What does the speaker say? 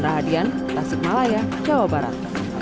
terbaru dan hadian tasikmalaya jawa barat